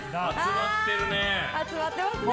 集まってますね。